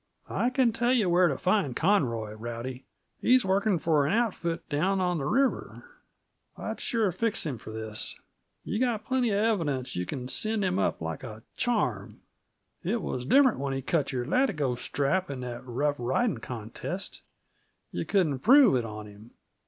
"I can tell yuh where t' find Conroy, Rowdy. He's working for an outfit down on the river. I'd sure fix him for this! Yuh got plenty of evidence; you can send him up like a charm. It was different when he cut your latigo strap in that rough riding contest; yuh couldn't prove it on him.